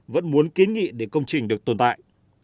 vẫn muốn kiến nghị để công trình được tồn tại